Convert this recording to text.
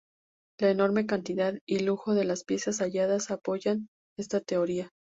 La enorme cantidad y lujo de las piezas halladas apoyan esta teoría.